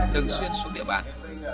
đều xuyên xuống địa bàn